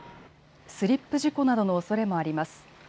スリップ事故などのおそれもあります。